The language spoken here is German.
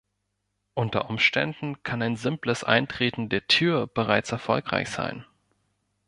Unter Umständen kann ein simples „Eintreten“ der Tür bereits erfolgreich sein.